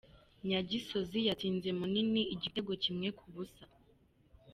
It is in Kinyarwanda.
Nyagisozi yatsinze Munini igitego kimwe ku busa.